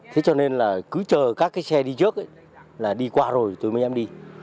thế cho nên là cứ chờ các cái xe đi trước là đi qua rồi tôi mới dám đi